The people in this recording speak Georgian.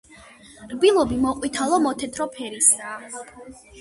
რბილობი მოყვითალო-მოთეთრო ფერისაა.